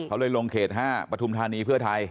เขาเลยลงเขต๕ปฐุมธานีเพื่อไทย